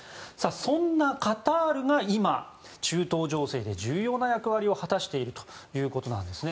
そんなカタールが今中東情勢で重要な役割を果たしているということです。